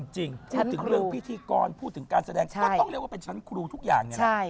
จริงพูดถึงเรื่องพิธีกรพูดถึงการแสดงก็ต้องเรียกว่าเป็นชั้นครูทุกอย่างเนี่ยแหละ